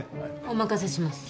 お任せします。